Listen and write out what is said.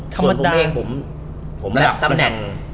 ส่วนผมเอง